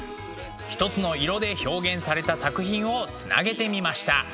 ひとつの色で表現された作品をつなげてみました。